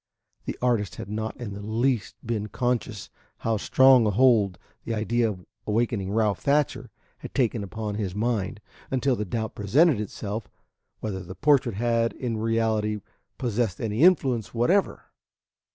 The artist had not in the least been conscious how strong a hold the idea of awakening Ralph Thatcher had taken upon his mind, until the doubt presented itself whether the portrait had in reality possessed any influence whatever.